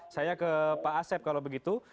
saya ke pak asep kalau begitu